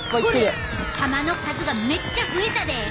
ほれ玉の数がめっちゃ増えたで！